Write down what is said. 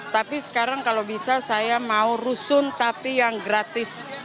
tapi sekarang kalau bisa saya mau rusun tapi yang gratis